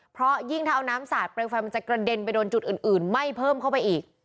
เพราะยิ่งถ้าเอาน้ำสาดเปลวไฟมันจะกระเด็นไปโดนจุดอื่นไหม้เพิ่มเข้าไปอีก